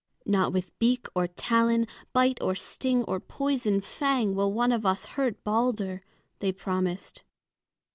"Not with beak or talon, bite or sting or poison fang, will one of us hurt Balder," they promised.